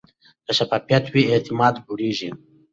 که شفافیت وي، اعتماد لوړېږي.